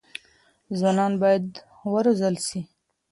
ځوانان بايد وروزل سي.